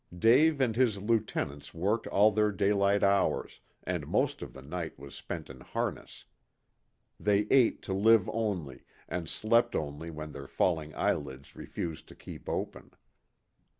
Dave and his lieutenants worked all their daylight hours, and most of the night was spent in harness. They ate to live only, and slept only when their falling eyelids refused to keep open.